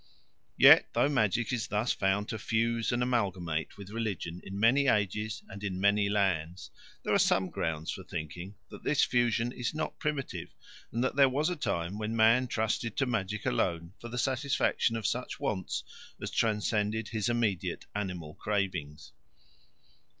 Yet though magic is thus found to fuse and amalgamate with religion in many ages and in many lands, there are some grounds for thinking that this fusion is not primitive, and that there was a time when man trusted to magic alone for the satisfaction of such wants as transcended his immediate animal cravings.